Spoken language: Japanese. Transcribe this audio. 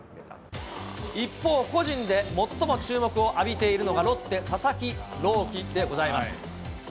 一方、個人で最も注目を浴びているのがロッテ、佐々木朗希でございます。